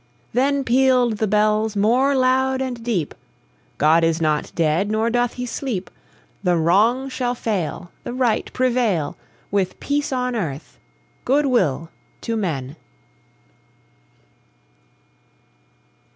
Then pealed the bells more loud and deep: "God is not dead; nor doth he sleep! The Wrong shall fail, The Right prevail, With peace on earth, good will to men!"